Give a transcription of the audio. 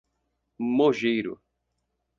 Mogeiro